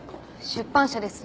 出版社です。